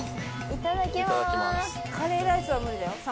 いただきます。